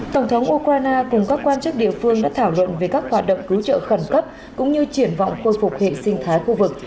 tổng thống ukraine cùng các quan chức địa phương đã thảo luận về các hoạt động cứu trợ khẩn cấp cũng như triển vọng khôi phục hệ sinh thái khu vực